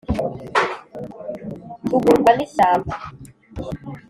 tugurwa n’ishyamba